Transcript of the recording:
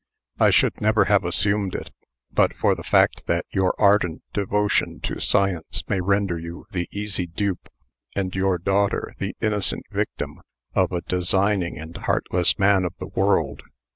I should never have assumed it, but for the fact that your ardent devotion to science may render you the easy dupe and your daughter the innocent victim of a designing and heartless man of the world.